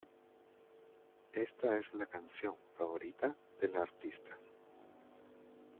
Esta es la canción favorita de la artista.